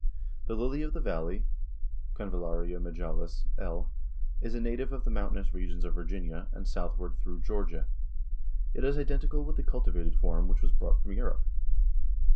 The lily of the valley (Convallaria majalis, L.) is a native of the mountainous regions of Virginia and southward through Georgia. It is identical with the cultivated form which was brought from Europe.